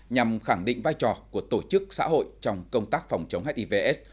nhằm khẳng định vai trò của tổ chức xã hội trong công tác phòng chống hiv s